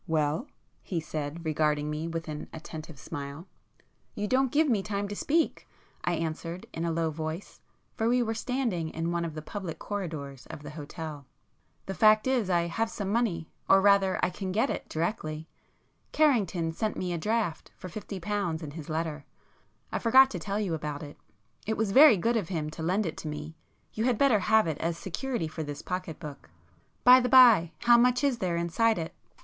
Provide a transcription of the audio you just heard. "Well?" he said, regarding me with an attentive smile. "You don't give me time to speak"—I answered in a low voice, for we were standing in one of the public corridors of the hotel—"The fact is I have some money, or rather I can get it directly,—Carrington sent me a draft for fifty pounds in his letter—I forgot to tell you about it. It was very good of him to lend it to me,—you had better have it as security for this pocket book,—by the bye how much is there inside it?"